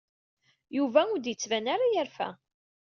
Yuba ur d-yettban ara yerfa.